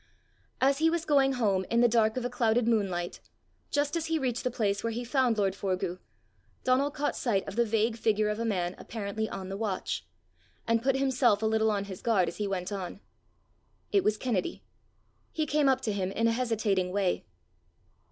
As he was going home in the dark of a clouded moonlight, just as he reached the place where he found lord Forgue, Donal caught sight of the vague figure of a man apparently on the watch, and put himself a little on his guard as he went on. It was Kennedy. He came up to him in a hesitating way.